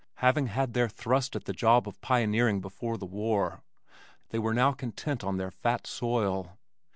Having had their thrust at the job of pioneering before the war they were now content on their fat soil.